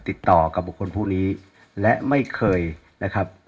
ติดต่อกับบุคคลผู้นี้และไม่เคยนะครับ